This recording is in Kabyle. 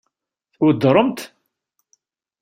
Tweddṛem-t?